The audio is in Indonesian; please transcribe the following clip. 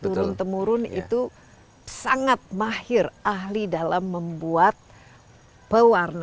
turun temurun itu sangat mahir ahli dalam membuat pewarna